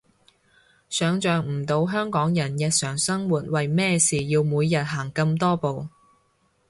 想像唔到香港人日常生活為咩事要每日行咁多步